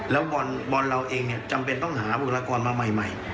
แล้วบอลเราเองจำเป็นต้องหาบุคลากรมาใหม่